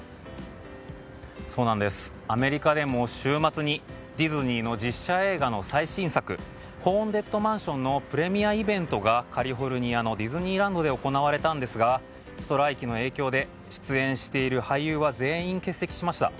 アメリカでも週末にディズニーの実写映画の最新作「ホーンテッドマンション」のプレミアムイベントがカリフォルニアのディズニーランドで行われたんですが出演している俳優は全員欠席しました。